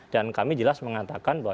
dan kami jelas mengatakan bahwa